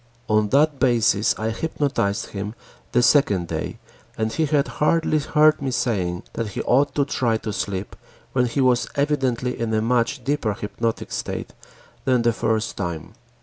On that basis I hypnotized him the second day and he had hardly heard me saying that he ought to try to sleep when he was evidently in a much deeper hypnotic state than the first time.